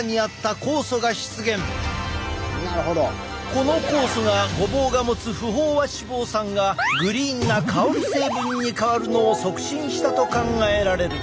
この酵素がごぼうが持つ不飽和脂肪酸がグリーンな香り成分に変わるのを促進したと考えられる。